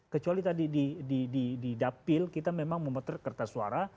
kecuali tadi di dapil kita memang memotret kertas suara